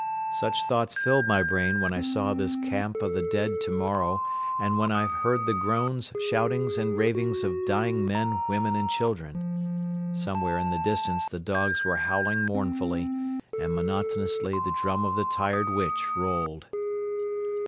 Such thoughts filled my brain when I saw this camp of the dead tomorrow and when I heard the groans, shoutings and raving of dying men, women and children. Somewhere in the distance the dogs were howling mournfully, and monotonously the drum of the tired witch rolled.